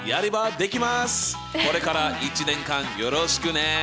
これから一年間よろしくね！